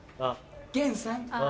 源さん。